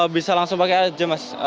bisa langsung pakai aja mas